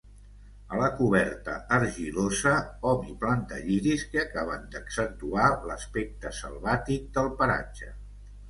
A la coberta argilosa hom hi plantà lliris que acaben d'accentuar l'aspecte selvàtic del paratge.